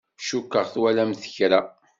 Cukkeɣ twalamt kra.